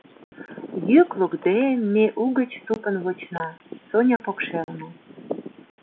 Йӱк лукде, ме угыч тупын вочна, Соня покшелне.